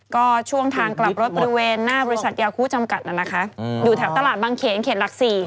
ก็ช่วงทางกลับรถบริเวณหน้าบริษัทยาคู่จำกัดนะคะอยู่แถวตลาดบางเขนเขตหลัก๔